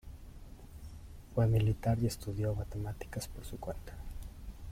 Fue militar y estudió matemáticas por su cuenta.